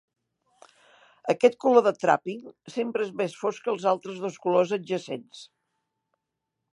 Aquest color de "trapping" sempre és més fosc que els altres dos colors adjacents.